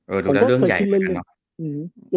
ดูแล้วเรื่องใหญ่เหมือนกันเนอะ